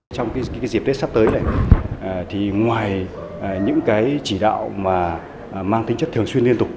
trong dịp tết sắp tới ngoài những chỉ đạo mang tính chất thường xuyên liên tục